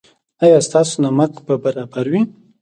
ایا ستاسو نمک به برابر وي؟